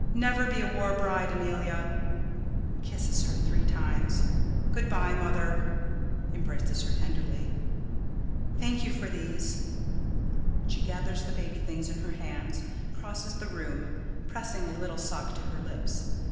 Never be a war bride, Amelia. [Kisses her three times,] Good by, Mother. [Embraces her tenderly.] Thank you for these. [_She gathers the baby things in her hands, crosses the room, pressing a little sock to her lips.